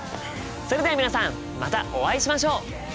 それでは皆さんまたお会いしましょう！